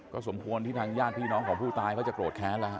ก็สมควรที่ทางญาติพี่น้องของผู้ตายเขาจะโกรธแค้นแล้วฮะ